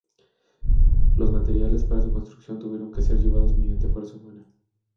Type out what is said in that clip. Los materiales para su construcción tuvieron que ser llevados mediante fuerza humana.